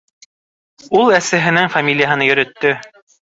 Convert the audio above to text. Ул әсәһенең фамилияһын йөрөттө.